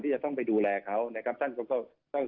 ที่จะต้องไปดูแลเขานะครับท่านเขาเขา